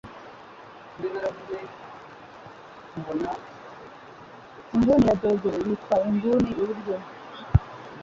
Inguni ya dogere yitwa inguni iburyo.